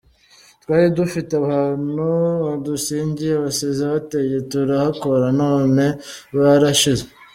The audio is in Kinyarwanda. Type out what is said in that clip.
Twari dufite ahantu badusigiye basize bateye turahakora none byarashize.